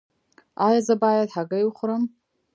ایا زه باید هګۍ وخورم؟